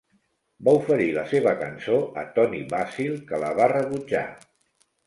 Va oferir la seva cançó a Toni Basil, que la va rebutjar.